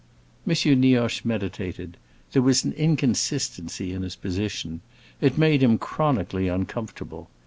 M. Nioche meditated: there was an inconsistency in his position; it made him chronically uncomfortable.